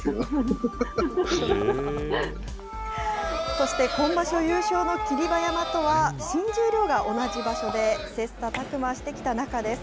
そして今場所優勝の霧馬山とは新十両が同じ場所で切さたく磨してきた仲です。